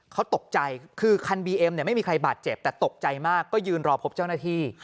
เขาตกใจคือคันบีเอ็มเนี่ยไม่มีใครบาดเจ็บแต่ตกใจมากก็ยืนรอพบเจ้าหน้าที่